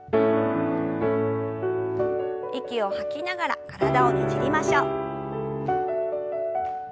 息を吐きながら体をねじりましょう。